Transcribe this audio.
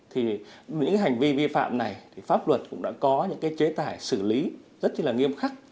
thì những hành vi vi phạm này thì pháp luật cũng đã có những cái chế tài xử lý rất là nghiêm khắc